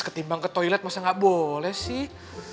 ketimbang ke toilet masa nggak boleh sih